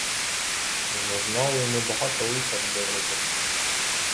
Зазнали ми багато лиха в дорозі.